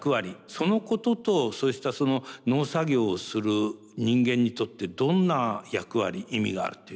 そのこととそうした農作業をする人間にとってどんな役割意味があるって考えたらよろしいでしょう？